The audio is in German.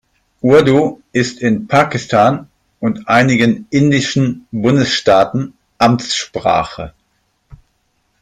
Urdu ist in Pakistan und einigen indischen Bundesstaaten Amtssprache.